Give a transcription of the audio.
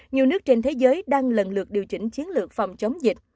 nhiều nước trên thế giới đang lần lượt điều chỉnh chiến lược phòng chống dịch